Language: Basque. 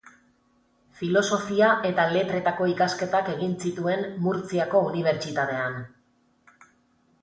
Filosofia eta Letretako ikasketak egin zituen Murtziako Unibertsitatean.